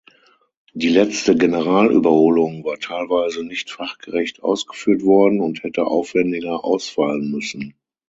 Die letzte Generalüberholung war teilweise nicht fachgerecht ausgeführt worden und hätte aufwendiger ausfallen müssen.